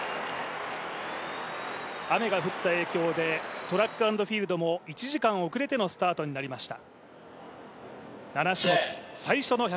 雨が降った影響でトラック＆フィールドも１時間遅れてのスタートとなりました。